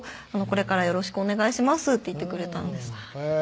「これからよろしくお願いします」って言ってくれたんです